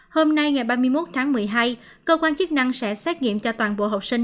hôm nay ngày ba mươi một tháng một mươi hai cơ quan chức năng sẽ xét nghiệm cho toàn bộ học sinh